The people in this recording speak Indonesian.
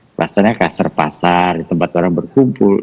klusternya kluster pasar tempat orang berkumpul